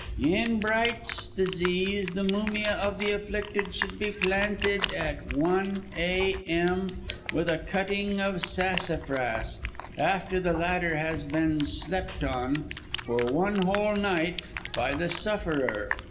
"In Bright's disease, the mumia of the afflicted should be planted at 1 a.m., with a cutting of sassafras, after the latter has been slept on, for one whole night, by the sufferer.